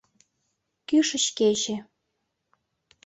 Кӱшыч кече